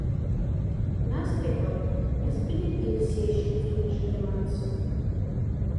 Настя баба мес-бди пельсь ящикти нажядеманц.